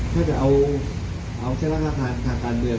ถ้าจะเอาแค่ราคาการเดือน